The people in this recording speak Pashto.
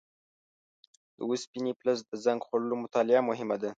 د اوسپنې فلز د زنګ خوړلو مطالعه مهمه ده.